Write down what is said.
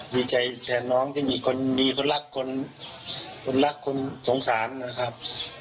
ดีใจแทนน้องที่มีคนหลักคนยังสงสารนะครับ